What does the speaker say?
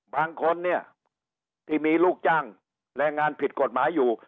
บางคนเนี่ยที่มีลูกจ้างแรงงานผิดกฎหมายอยู่